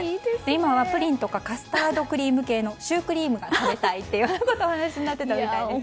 今はプリンとかカスタードクリーム系のシュークリームが食べたいとお話しになってたみたいですよ。